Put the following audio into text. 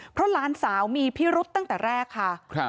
เพราะหลานสาวมีพิรุษตั้งแต่แรกค่ะ